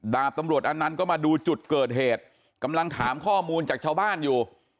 ดาบตำรวจอนันต์ก็มาดูจุดเกิดเหตุกำลังถามข้อมูลจากชาวบ้านอยู่